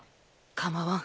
構わん。